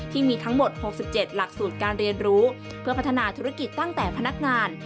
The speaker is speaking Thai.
ที่มีทั้งหมด๖๗หลักสูตรการเรียนรู้เพื่อพัฒนาธุรกิจตั้งแต่พนักงาน